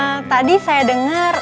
eee tadi saya denger